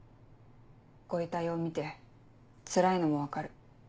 ご遺体を見てつらいのも分かる。